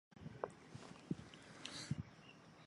滇缅短尾鼩被发现在中国和缅甸。